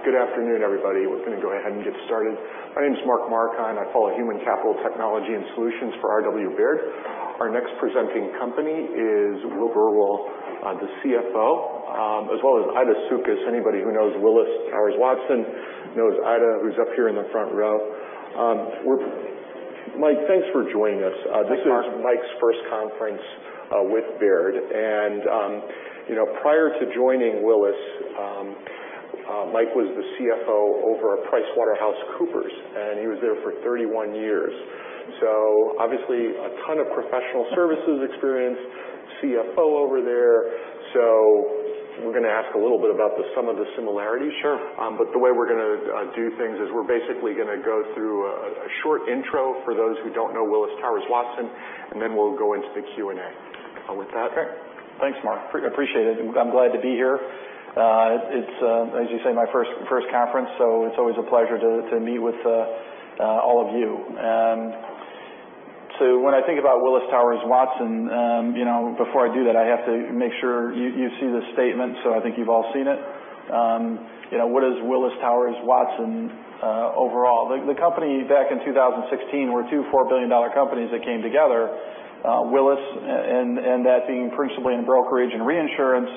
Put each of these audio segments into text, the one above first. Good afternoon, everybody. We're going to go ahead and get started. My name is Mark Marcon. I follow human capital technology and solutions for R.W. Baird. Our next presenting company is Michael Burwell, the CFO, as well as Aida Sukys. Anybody who knows Willis Towers Watson knows Aida, who's up here in the front row. Mike, thanks for joining us. Hi, Mark. This is Mike's first conference with Baird. Prior to joining Willis, Mike was the CFO over at PricewaterhouseCoopers. He was there for 31 years. Obviously, a ton of professional services experience, CFO over there. We're going to ask a little bit about some of the similarities. Sure. The way we're going to do things is we're basically going to go through a short intro for those who don't know Willis Towers Watson, and then we'll go into the Q&A. Okay. Thanks, Mark. Appreciate it. I’m glad to be here. It’s, as you say, my first conference, it’s always a pleasure to meet with all of you. When I think about Willis Towers Watson, before I do that, I have to make sure you see the statement, I think you’ve all seen it. What is Willis Towers Watson overall? The company, back in 2016, were two $4 billion companies that came together. Willis, and that being principally in brokerage and reinsurance,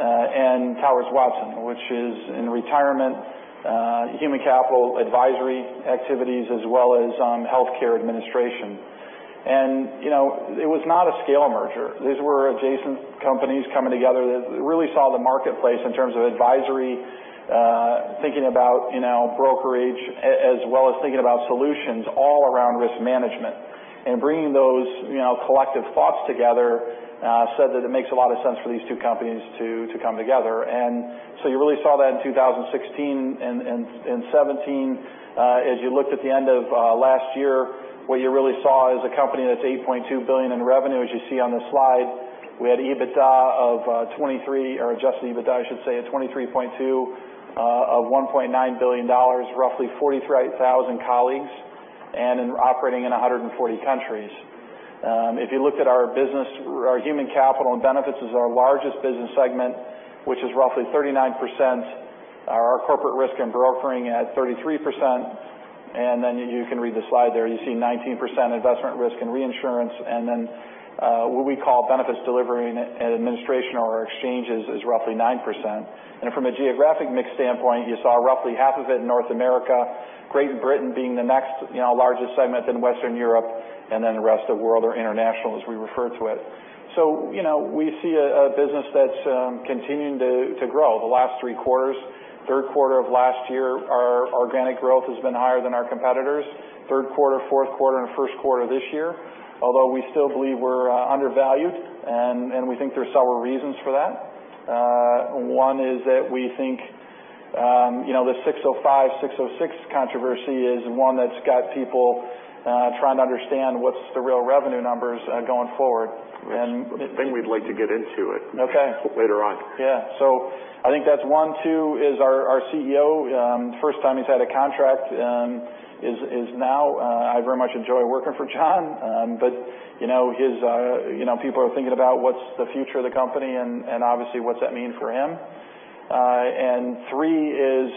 and Towers Watson, which is in retirement, human capital advisory activities, as well as healthcare administration. It was not a scale merger. These were adjacent companies coming together that really saw the marketplace in terms of advisory, thinking about brokerage, as well as thinking about solutions all around risk management. Bringing those collective thoughts together said that it makes a lot of sense for these two companies to come together. You really saw that in 2016 and 2017. As you looked at the end of last year, what you really saw is a company that’s $8.2 billion in revenue, as you see on this slide. We had EBITDA of 23%, or Adjusted EBITDA, I should say, of 23.2% of $1.9 billion, roughly 43,000 colleagues, and operating in 140 countries. If you looked at our business, our Human Capital and Benefits is our largest business segment, which is roughly 39%. Our Corporate Risk and Broking at 33%. You can read the slide there. You see 19% Investment, Risk and Reinsurance, and then what we call Benefits Delivery and Administration or our exchanges is roughly 9%. From a geographic mix standpoint, you saw roughly half of it in North America, Great Britain being the next largest segment, then Western Europe, and then the rest of the world or international, as we refer to it. We see a business that’s continuing to grow. The last three quarters, third quarter of last year, our organic growth has been higher than our competitors. Third quarter, fourth quarter, and first quarter this year. Although we still believe we’re undervalued, and we think there’s several reasons for that. One is that we think the 605/606 controversy is one that’s got people trying to understand what’s the real revenue numbers going forward. I think we’d like to get into it. Okay. later on. Yeah. I think that's one. Two is our CEO, first time he's had a contract is now. I very much enjoy working for John, but people are thinking about what's the future of the company, and obviously, what's that mean for him. Three is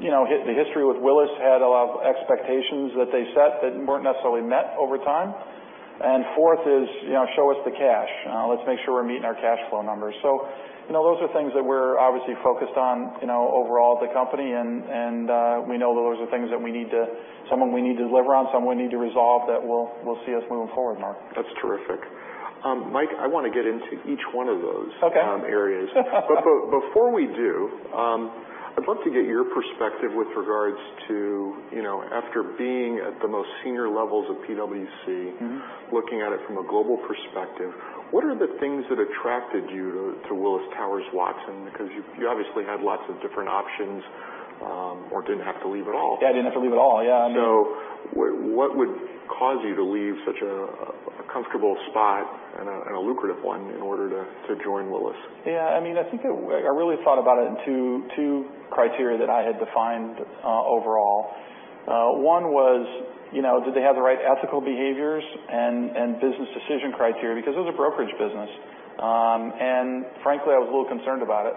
the history with Willis had a lot of expectations that they set that weren't necessarily met over time. Fourth is show us the cash. Let's make sure we're meeting our cash flow numbers. Those are things that we're obviously focused on overall at the company, and we know those are things that we need to, some of them we need to deliver on, some we need to resolve that will see us moving forward, Mark. That's terrific. Mike, I want to get into each one of those. Okay. Areas. Before we do, I'd love to get your perspective with regards to after being at the most senior levels of PwC. Looking at it from a global perspective, what are the things that attracted you to Willis Towers Watson? Because you obviously had lots of different options, or didn't have to leave at all. Yeah, didn't have to leave at all. Yeah. What would cause you to leave such a comfortable spot, and a lucrative one, in order to join Willis? Yeah. I think I really thought about it in two criteria that I had defined overall. One was did they have the right ethical behaviors and business decision criteria? It was a brokerage business. Frankly, I was a little concerned about it.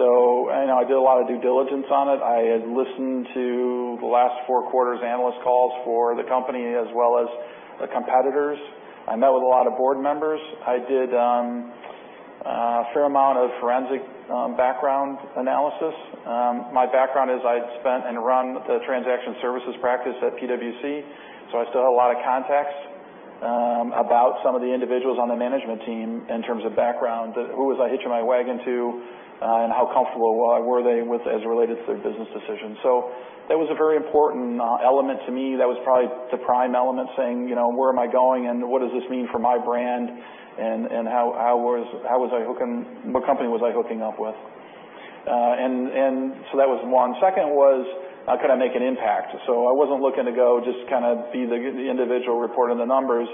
I did a lot of due diligence on it. I had listened to the last four quarters' analyst calls for the company as well as the competitors. I met with a lot of board members. I did a fair amount of forensic background analysis. My background is I'd spent and run the transaction services practice at PwC, so I still had a lot of contacts about some of the individuals on the management team in terms of background. Who was I hitching my wagon to? How comfortable were they as related to their business decisions? That was a very important element to me. That was probably the prime element saying, where am I going, and what does this mean for my brand, and what company was I hooking up with? That was one. Second was could I make an impact? I wasn't looking to go just kind of be the individual reporting the numbers.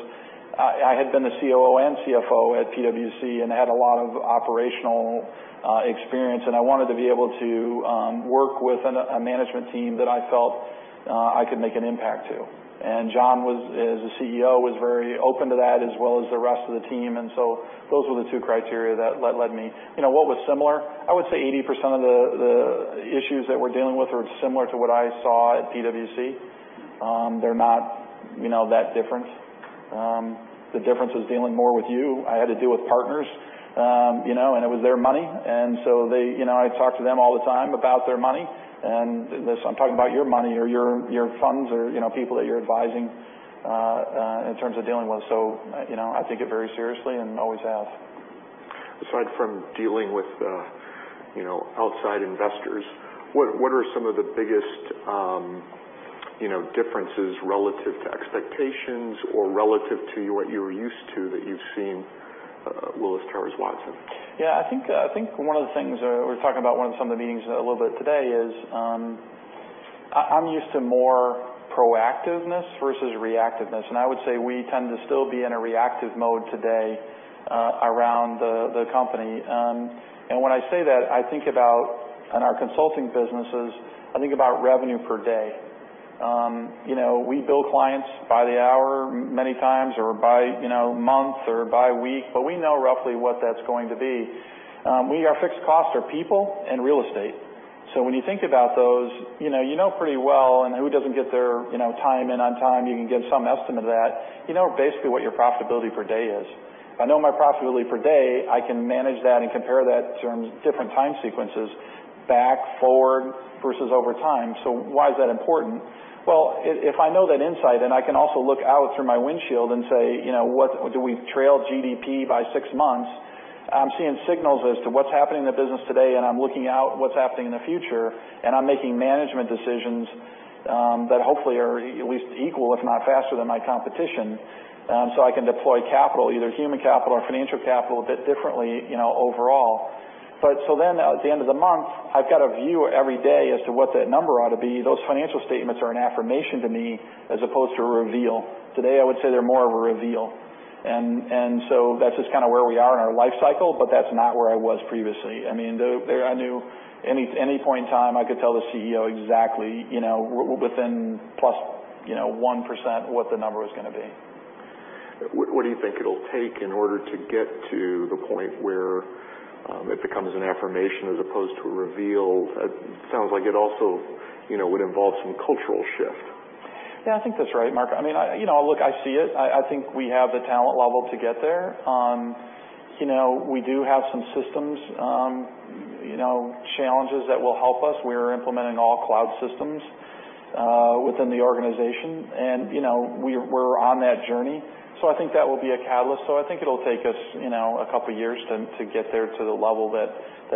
I had been the COO and CFO at PwC and had a lot of operational experience, and I wanted to be able to work with a management team that I felt I could make an impact to. John, as the CEO, was very open to that, as well as the rest of the team. Those were the two criteria that led me. What was similar? I would say 80% of the issues that we're dealing with are similar to what I saw at PwC. They're not that different. The difference was dealing more with you. I had to deal with partners, and it was their money. I talked to them all the time about their money. Listen, I'm talking about your money or your funds or people that you're advising, in terms of dealing with. I take it very seriously and always have. Aside from dealing with outside investors, what are some of the biggest differences relative to expectations or relative to what you were used to that you've seen at Willis Towers Watson? I think one of the things we were talking about in some of the meetings a little bit today is I'm used to more proactiveness versus reactiveness, and I would say we tend to still be in a reactive mode today around the company. When I say that, I think about in our consulting businesses, I think about revenue per day. We bill clients by the hour many times or by month or by week, but we know roughly what that's going to be. Our fixed costs are people and real estate, so when you think about those, you know pretty well and who doesn't get their time in on time, you can give some estimate of that. You know basically what your profitability per day is. If I know my profitability per day, I can manage that and compare that to different time sequences back, forward, versus over time. Why is that important? If I know that insight, I can also look out through my windshield and say, do we trail GDP by six months? I'm seeing signals as to what's happening in the business today, and I'm looking out what's happening in the future, and I'm making management decisions that hopefully are at least equal, if not faster than my competition. I can deploy capital, either human capital or financial capital a bit differently overall. At the end of the month, I've got a view every day as to what that number ought to be. Those financial statements are an affirmation to me as opposed to a reveal. Today, I would say they're more of a reveal. That's just kind of where we are in our life cycle, but that's not where I was previously. I knew at any point in time I could tell the CEO exactly, within plus 1%, what the number was going to be. What do you think it'll take in order to get to the point where it becomes an affirmation as opposed to a reveal? It sounds like it also would involve some cultural shift. Yeah, I think that's right, Mark. Look, I see it. I think we have the talent level to get there. We do have some systems challenges that will help us. We are implementing all cloud systems within the organization, and we're on that journey. I think that will be a catalyst. I think it'll take us a couple of years to get there to the level that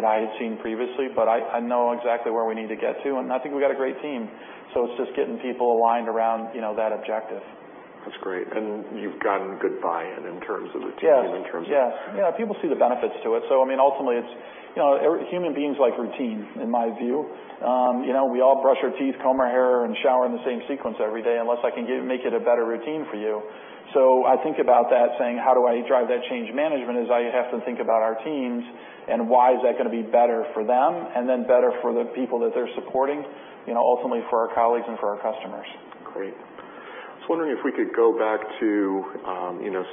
I had seen previously. I know exactly where we need to get to, and I think we've got a great team, it's just getting people aligned around that objective. That's great. you've gotten good buy-in in terms of the team Yes in terms of Yeah. People see the benefits to it. ultimately, human beings like routine, in my view. We all brush our teeth, comb our hair, and shower in the same sequence every day, unless I can make it a better routine for you. I think about that, saying how do I drive that change management is I have to think about our teams and why is that going to be better for them and then better for the people that they're supporting, ultimately for our colleagues and for our customers. Great. I was wondering if we could go back to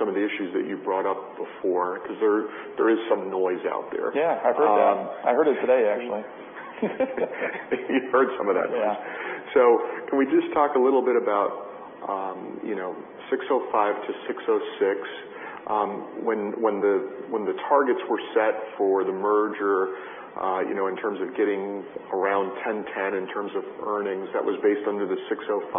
some of the issues that you brought up before, because there is some noise out there. Yeah, I've heard that. I heard it today, actually. You've heard some of that noise. Yeah. Can we just talk a little bit about 605 to 606? When the targets were set for the merger, in terms of getting around $1,010 in terms of earnings, that was based under the 605.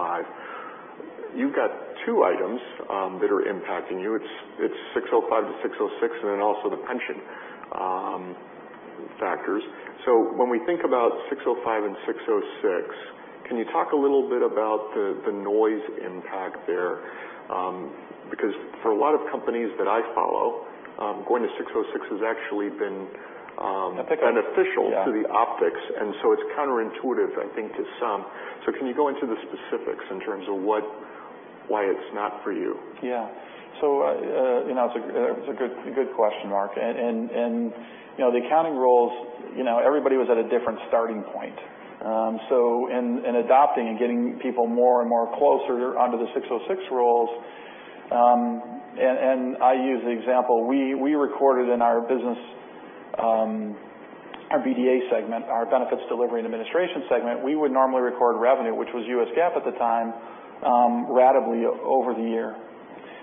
You've got two items that are impacting you. It's 605 to 606 also the pension factors. When we think about 605 and 606, can you talk a little bit about the noise impact there? For a lot of companies that I follow, going to 606 has actually been I think- beneficial to the optics, it's counterintuitive, I think, to some. Can you go into the specifics in terms of why it's not for you? Yeah. It's a good question, Mark. The accounting rules, everybody was at a different starting point. In adopting and getting people more and more closer onto the Rule 606 rules, I use the example, we recorded in our BDA segment, our Benefits Delivery and Administration segment, we would normally record revenue, which was U.S. GAAP at the time, ratably over the year.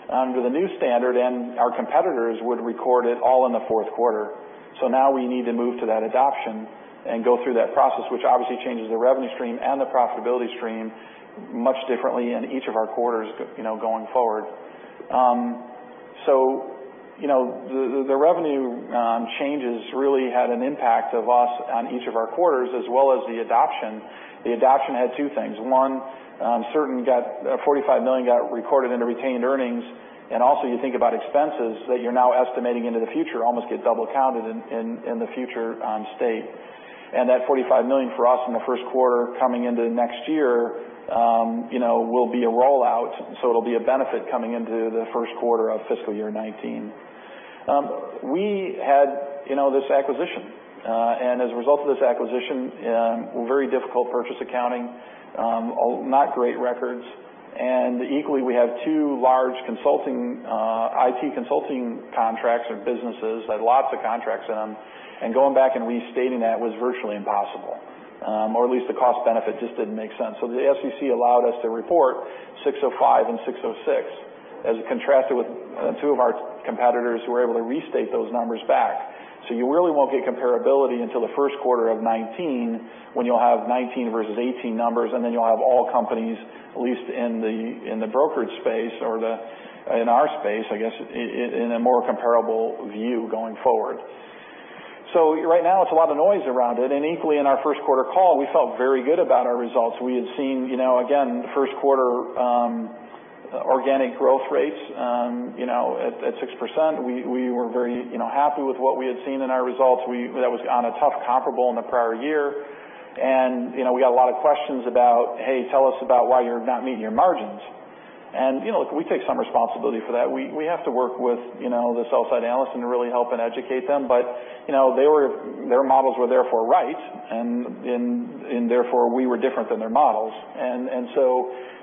Under the new standard, our competitors would record it all in the fourth quarter. Now we need to move to that adoption and go through that process, which obviously changes the revenue stream and the profitability stream much differently in each of our quarters going forward. The revenue changes really had an impact of us on each of our quarters as well as the adoption. The adoption had two things. One, $45 million got recorded into retained earnings, and also you think about expenses that you're now estimating into the future almost get double counted in the future on state. That $45 million for us in the first quarter coming into next year will be a rollout, so it'll be a benefit coming into the first quarter of fiscal year 2019. We had this acquisition, as a result of this acquisition, very difficult purchase accounting, not great records. Equally, we have two large IT consulting contracts or businesses, had lots of contracts in them, and going back and restating that was virtually impossible. Or at least the cost benefit just didn't make sense. The SEC allowed us to report Rule 605 and Rule 606 as it contrasted with two of our competitors who were able to restate those numbers back. You really won't get comparability until the first quarter of 2019 when you'll have 2019 versus 2018 numbers, you'll have all companies, at least in the brokerage space or in our space, I guess, in a more comparable view going forward. Right now it's a lot of noise around it. Equally, in our first quarter call, we felt very good about our results. We had seen, again, first quarter organic growth rates at 6%. We were very happy with what we had seen in our results. That was on a tough comparable in the prior year. We got a lot of questions about, "Hey, tell us about why you're not meeting your margins." Look, we take some responsibility for that. We have to work with the sell-side analyst and really help and educate them. Their models were therefore right, and therefore we were different than their models. We've been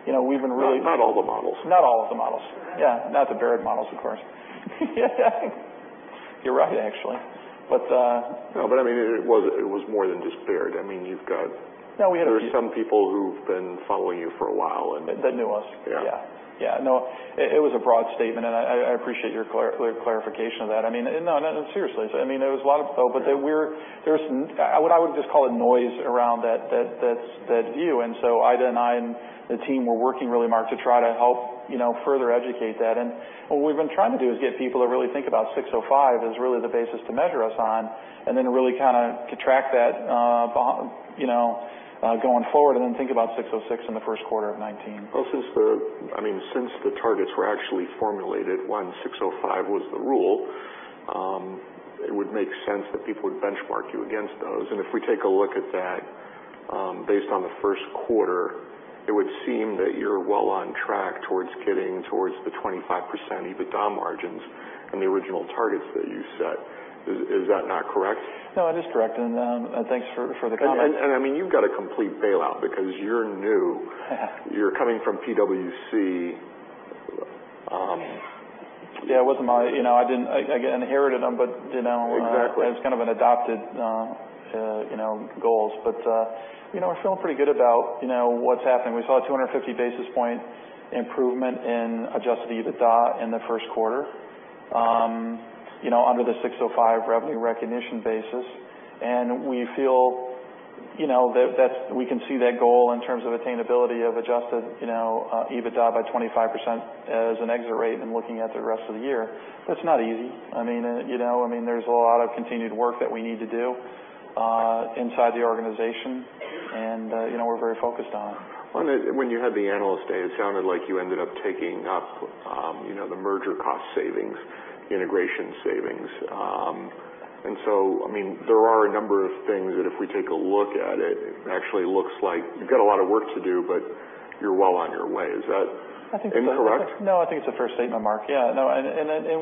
Not all the models. Not all of the models. Yeah. Not the Baird models, of course. You're right, actually. No, I mean, it was more than just Baird. You've got No, we had. There are some people who've been following you for a while. That knew us. Yeah. Yeah. No, it was a broad statement, and I appreciate your clarification of that. No, seriously, there was some, what I would just call a noise around that view. Aida and I and the team were working really hard to try to help further educate that. What we've been trying to do is get people to really think about 605 as really the basis to measure us on, and then really kind of to track that going forward, and then think about 606 in the first quarter of 2019. Well, since the targets were actually formulated when Rule 605 was the rule, it would make sense that people would benchmark you against those. If we take a look at that, based on the first quarter, it would seem that you're well on track towards getting towards the 25% EBITDA margins and the original targets that you set. Is that not correct? No, that is correct, and thanks for the comment. You've got a complete bailout because you're new. You're coming from PwC. Yeah, I inherited them. Exactly It's kind of an adopted goals. We're feeling pretty good about what's happening. We saw a 250 basis point improvement in Adjusted EBITDA in the first quarter under the Rule 605 revenue recognition basis. We feel that we can see that goal in terms of attainability of Adjusted EBITDA by 25% as an exit rate in looking at the rest of the year. It's not easy. There's a lot of continued work that we need to do inside the organization, and we're very focused on it. When you had the analyst day, it sounded like you ended up taking up the merger cost savings, integration savings. There are a number of things that if we take a look at it actually looks like you've got a lot of work to do, but you're well on your way. Is that incorrect? No, I think it's a fair statement, Mark. Yeah, no.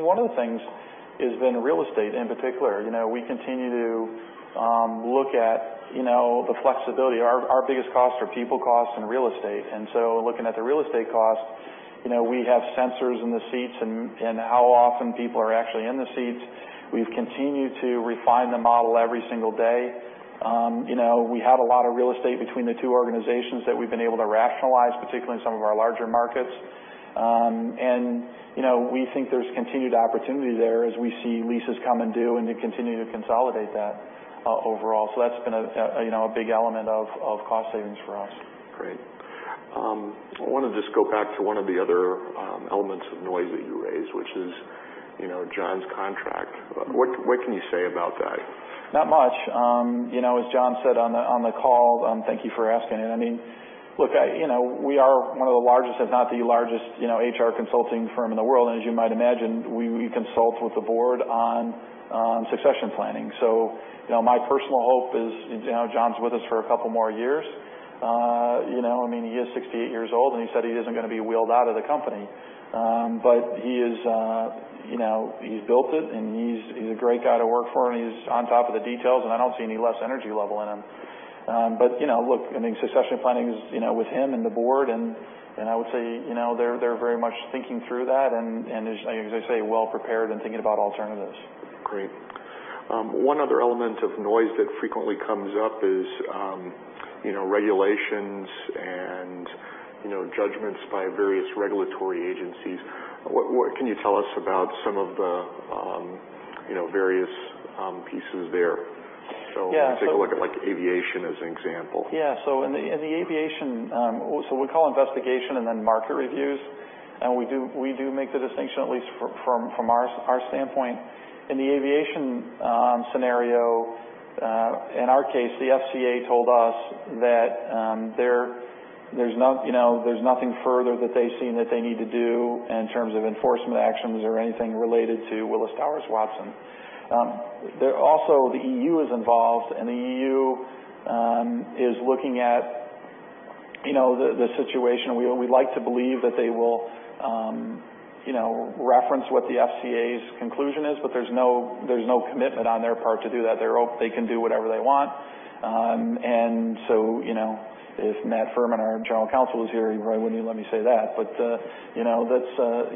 One of the things has been real estate in particular. We continue to look at the flexibility. Our biggest costs are people costs and real estate. Looking at the real estate costs, we have sensors in the seats and how often people are actually in the seats. We've continued to refine the model every single day. We had a lot of real estate between the two organizations that we've been able to rationalize, particularly in some of our larger markets. We think there's continued opportunity there as we see leases come and due and to continue to consolidate that overall. That's been a big element of cost savings for us. Great. I want to just go back to one of the other elements of noise that you raised, which is John's contract. What can you say about that? Not much. As John said on the call, thank you for asking it. Look, we are one of the largest, if not the largest HR consulting firm in the world. As you might imagine, we consult with the board on succession planning. My personal hope is John's with us for a couple more years. He is 68 years old, and he said he isn't going to be wheeled out of the company. He's built it, and he's a great guy to work for, and he's on top of the details, and I don't see any less energy level in him. Look, succession planning is with him and the board, and I would say they're very much thinking through that and, as I say, well prepared in thinking about alternatives. Great. One other element of noise that frequently comes up is regulations and judgments by various regulatory agencies. What can you tell us about some of the various pieces there? Yeah, so- If we take a look at aviation as an example. In the aviation, we call investigation and then market reviews, we do make the distinction, at least from our standpoint. In the aviation scenario, in our case, the FCA told us that there's nothing further that they see that they need to do in terms of enforcement actions or anything related to Willis Towers Watson. Also, the EU is involved, and the EU is looking at the situation. We like to believe that they will reference what the FCA's conclusion is, but there's no commitment on their part to do that. They can do whatever they want. If Matt Furman, our General Counsel, was here, he probably wouldn't let me say that. That's kind of the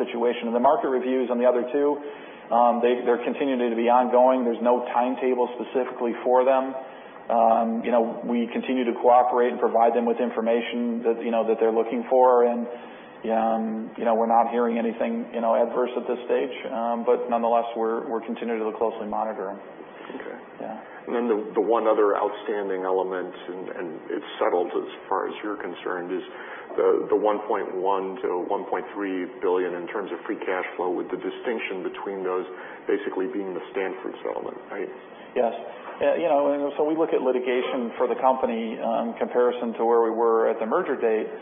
situation. The market reviews on the other two, they're continuing to be ongoing. There's no timetable specifically for them. We continue to cooperate and provide them with information that they're looking for, we're not hearing anything adverse at this stage. Nonetheless, we're continuing to closely monitor them. Okay. Yeah. The one other outstanding element, it's settled as far as you're concerned, is the $1.1 billion-$1.3 billion in terms of free cash flow with the distinction between those basically being the Stanford settlement, right? Yes. We look at litigation for the company in comparison to where we were at the merger date.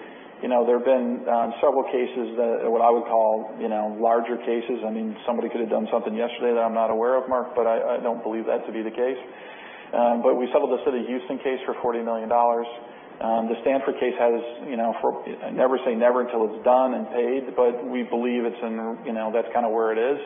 There have been several cases that, what I would call larger cases. Somebody could have done something yesterday that I'm not aware of, Mark, I don't believe that to be the case. We settled the City of Houston case for $40 million. The Stanford case has, never say never until it's done and paid, we believe that's kind of where it is.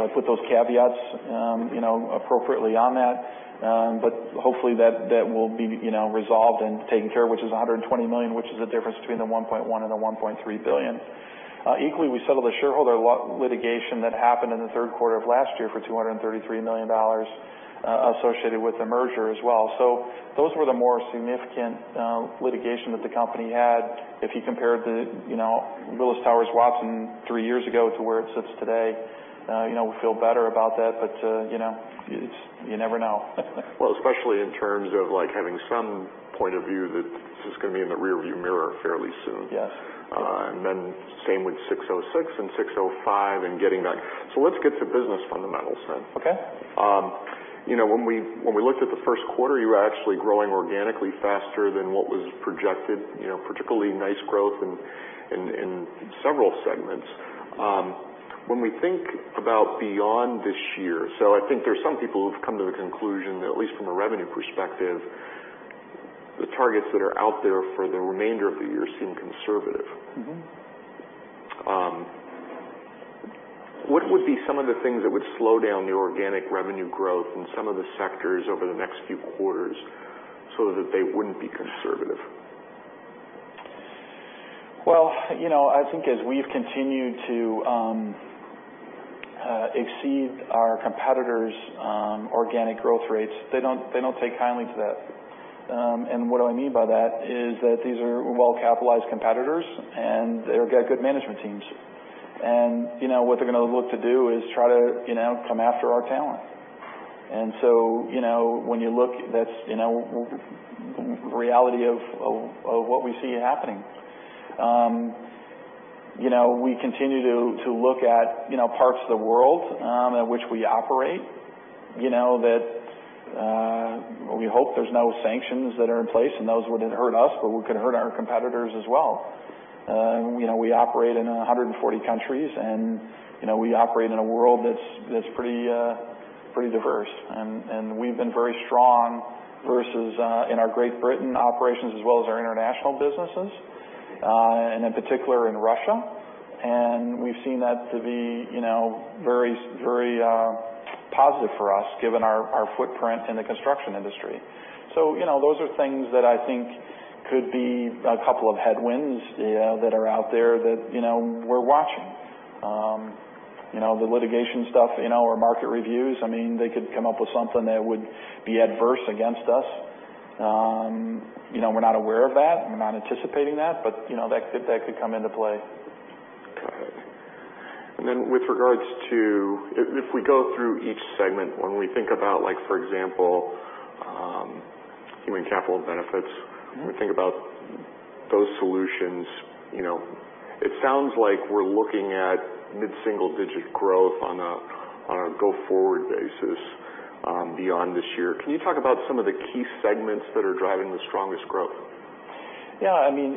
I put those caveats appropriately on that. Hopefully that will be resolved and taken care of, which is $120 million, which is the difference between the $1.1 and the $1.3 billion. Equally, we settled a shareholder litigation that happened in the third quarter of last year for $233 million associated with the merger as well. Those were the more significant litigation that the company had. If you compared the Willis Towers Watson three years ago to where it sits today, we feel better about that, but you never know. Well, especially in terms of having some point of view that this is going to be in the rearview mirror fairly soon. Yes. Same with 606 and 605 and getting that. Let's get to business fundamentals then. Okay. When we looked at the first quarter, you were actually growing organically faster than what was projected, particularly nice growth in several segments. When we think about beyond this year, so I think there's some people who've come to the conclusion that, at least from a revenue perspective, the targets that are out there for the remainder of the year seem conservative. What would be some of the things that would slow down the organic revenue growth in some of the sectors over the next few quarters so that they wouldn't be conservative? Well, I think as we've continued to exceed our competitors' organic growth rates, they don't take kindly to that. What I mean by that is that these are well-capitalized competitors, and they've got good management teams. What they're going to look to do is try to come after our talent. So when you look, that's reality of what we see happening. We continue to look at parts of the world in which we operate, that we hope there's no sanctions that are in place, and those wouldn't hurt us, but could hurt our competitors as well. We operate in 140 countries, and we operate in a world that's pretty diverse, and we've been very strong versus in our Great Britain operations as well as our international businesses, and in particular in Russia. We've seen that to be very positive for us, given our footprint in the construction industry. Those are things that I think could be a couple of headwinds that are out there that we're watching. The litigation stuff, our market reviews, they could come up with something that would be adverse against us. We're not aware of that. We're not anticipating that, but that could come into play. Got it. Then with regards to if we go through each segment, when we think about, for example, Human Capital and Benefits, when we think about those solutions, it sounds like we're looking at mid-single digit growth on a go-forward basis beyond this year. Can you talk about some of the key segments that are driving the strongest growth? Yeah. When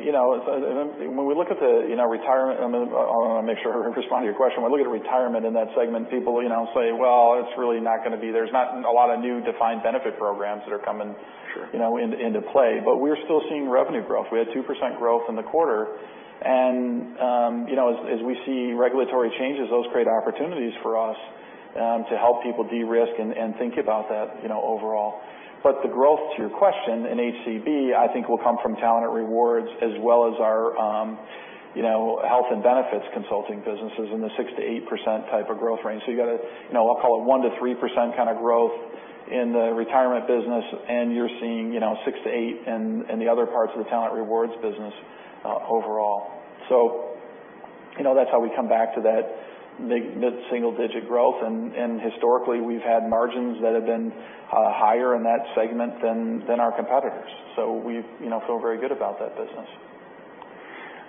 we look at the retirement, I want to make sure I respond to your question. When we look at retirement in that segment, people say, "Well, it's really not going to be There's not a lot of new defined benefit programs that are coming into play." We're still seeing revenue growth. We had 2% growth in the quarter. As we see regulatory changes, those create opportunities for us to help people de-risk and think about that overall. The growth, to your question, in HCB, I think will come from Talent & Rewards as well as our health and benefits consulting businesses in the 6%-8% type of growth range. You've got to, I'll call it 1%-3% kind of growth in the retirement business, and you're seeing 6%-8% in the other parts of the Talent & Rewards business overall. That's how we come back to that mid-single digit growth. Historically, we've had margins that have been higher in that segment than our competitors. We feel very good about that business.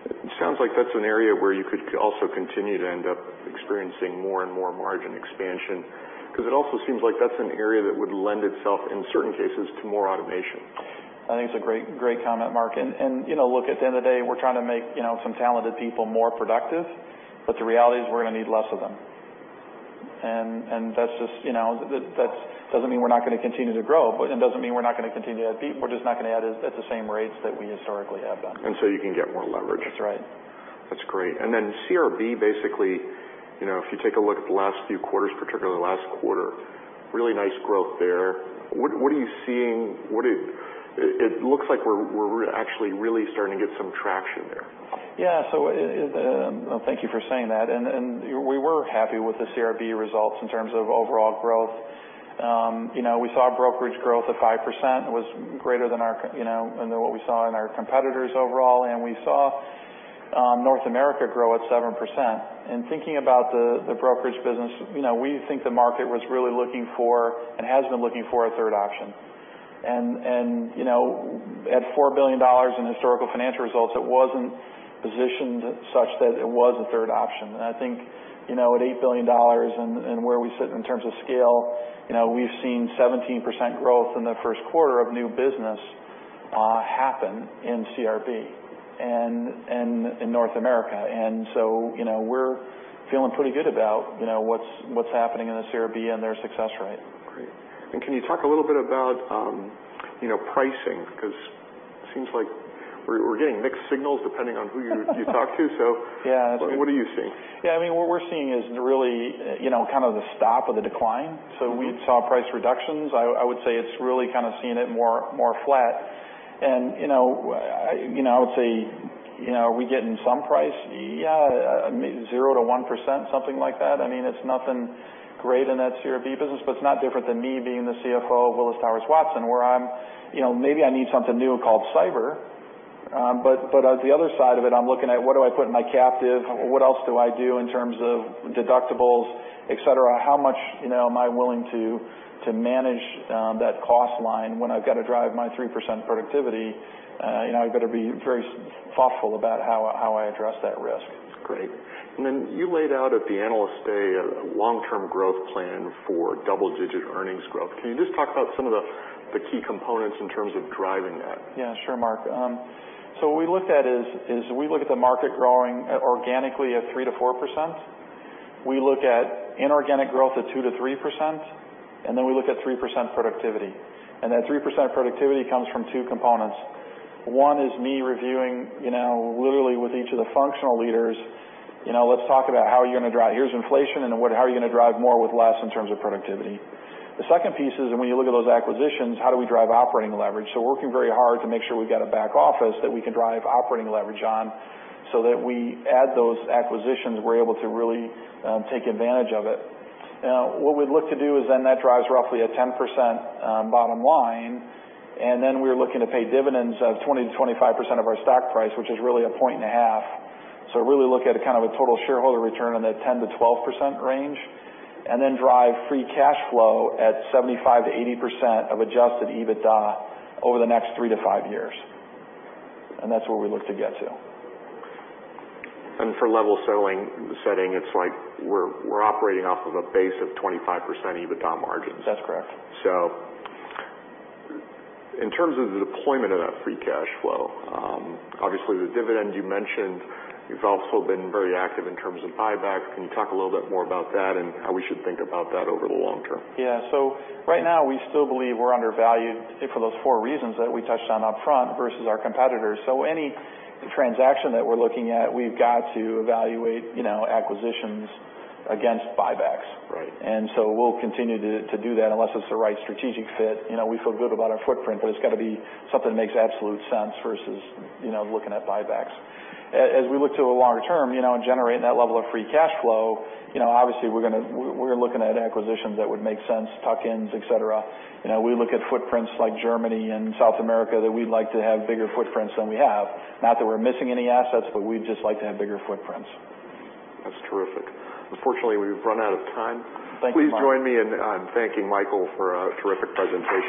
It sounds like that's an area where you could also continue to end up experiencing more and more margin expansion, because it also seems like that's an area that would lend itself, in certain cases, to more automation. I think it's a great comment, Mark. Look, at the end of the day, we're trying to make some talented people more productive, but the reality is we're going to need less of them. That doesn't mean we're not going to continue to grow, but it doesn't mean we're not going to continue to add people. We're just not going to add at the same rates that we historically have done. You can get more leverage. That's right. That's great. CRB, basically, if you take a look at the last few quarters, particularly last quarter, really nice growth there. It looks like we're actually really starting to get some traction there. Yeah. Thank you for saying that. We were happy with the CRB results in terms of overall growth. We saw brokerage growth at 5%. It was greater than what we saw in our competitors overall, and we saw North America grow at 7%. Thinking about the brokerage business, we think the market was really looking for, and has been looking for, a third option. At $4 billion in historical financial results, it wasn't positioned such that it was a third option. I think, at $8 billion and where we sit in terms of scale, we've seen 17% growth in the first quarter of new business happen in CRB and in North America. We're feeling pretty good about what's happening in the CRB and their success rate. Great. Can you talk a little bit about pricing? Because it seems like we're getting mixed signals depending on who you talk to. Yeah. What are you seeing? Yeah, what we're seeing is really the stop of the decline. We saw price reductions. I would say it's really seeing it more flat. Are we getting some price? Yeah. 0%-1%, something like that. It's nothing great in that CRB business, but it's not different than me being the CFO of Willis Towers Watson, where maybe I need something new called cyber. But at the other side of it, I'm looking at what do I put in my captive? What else do I do in terms of deductibles, et cetera? How much am I willing to manage that cost line when I've got to drive my 3% productivity? I've got to be very thoughtful about how I address that risk. That's great. You laid out at the Analyst Day a long-term growth plan for double-digit earnings growth. Can you just talk about some of the key components in terms of driving that? Yeah. Sure, Mark. What we looked at is we look at the market growing organically at 3%-4%. We look at inorganic growth at 2%-3%, we look at 3% productivity. That 3% productivity comes from two components. One is me reviewing literally with each of the functional leaders. Let's talk about how you're going to drive. Here's inflation, how are you going to drive more with less in terms of productivity? The second piece is when you look at those acquisitions, how do we drive operating leverage? We're working very hard to make sure we've got a back office that we can drive operating leverage on, so that we add those acquisitions, we're able to really take advantage of it. What we'd look to do, that drives roughly a 10% bottom line, we're looking to pay dividends of 20%-25% of our stock price, which is really a point and a half. Really look at a total shareholder return on that 10%-12% range, drive free cash flow at 75%-80% of Adjusted EBITDA over the next three to five years. That's where we look to get to. For level setting, it's like we're operating off of a base of 25% EBITDA margins. That's correct. In terms of the deployment of that free cash flow, obviously the dividends you mentioned, you've also been very active in terms of buybacks. Can you talk a little bit more about that and how we should think about that over the long term? Right now, we still believe we're undervalued for those four reasons that we touched on upfront versus our competitors. Any transaction that we're looking at, we've got to evaluate acquisitions against buybacks. Right. We'll continue to do that unless it's the right strategic fit. We feel good about our footprint, but it's got to be something that makes absolute sense versus looking at buybacks. As we look to the longer term, and generating that level of free cash flow, obviously we're looking at acquisitions that would make sense, tuck-ins, et cetera. We look at footprints like Germany and South America that we'd like to have bigger footprints than we have. Not that we're missing any assets, but we'd just like to have bigger footprints. That's terrific. Unfortunately, we've run out of time. Thank you, Mark. Please join me in thanking Michael for a terrific presentation.